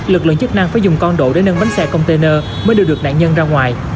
lực lượng chức năng phải dùng con đổ để nâng bánh xe container mới đưa được nạn nhân ra ngoài